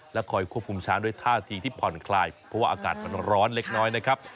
คอยควบคุมช้างด้วยท่าทีที่ผ่อนคลายเพราะว่าอากาศมันร้อนเล็กน้อยนะครับ